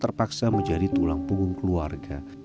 terpaksa menjadi tulang punggung keluarga